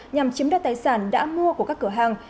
nhằm chiếm đoạt tài sản đã mua của các cửa hàng